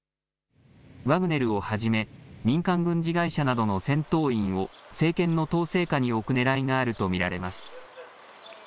ワグネルをはじめ民間軍事会社などの戦闘員を政権の統制下に置くねらいがあると見られます。